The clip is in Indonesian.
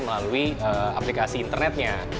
melalui aplikasi internetnya